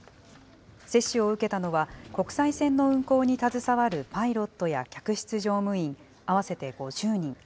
接種を受けたのは、国際線の運航に携わるパイロットや客室乗務員、合わせて５０人。